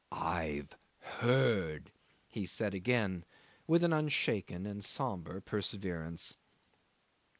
"I've heard," he said again with an unshaken and sombre perseverance.